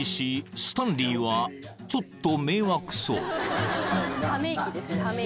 スタンリーはちょっと迷惑そう］